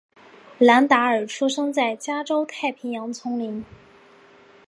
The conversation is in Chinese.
兰达尔出生在加州太平洋丛林。